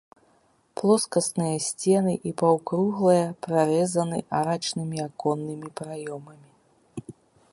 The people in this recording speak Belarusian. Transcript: Плоскасныя сцены і паўкруглая прарэзаны арачнымі аконнымі праёмамі.